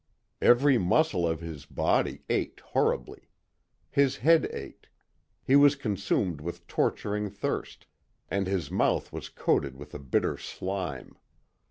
Every muscle of his body ached horribly. His head ached, he was consumed with torturing thirst, and his mouth was coated with a bitter slime.